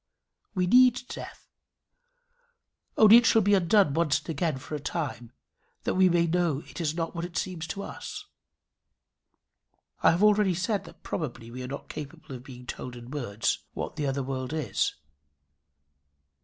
We need death; only it shall be undone once and again for a time, that we may know it is not what it seems to us. I have already said that probably we are not capable of being told in words what the other world is.